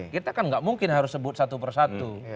kita kan nggak mungkin harus sebut satu persatu